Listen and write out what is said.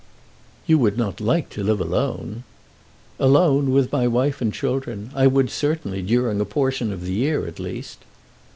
"You would not like to live alone." "Alone, with my wife and children, I would certainly, during a portion of the year at least."